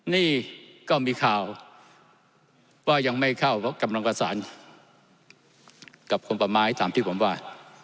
นี่ก็มีข่าวว่ายังไม่เข้ากับรังกษัตริย์กับความประมาณตามที่ผมว่า